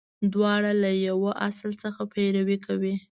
• دواړه له یوه اصل څخه پیروي کوي.